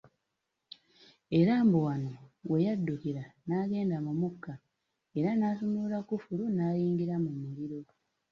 Era mbu wano we yaddukira n’agenda mu mukka era n’asumulula kkufulu n’ayingira mu muliro.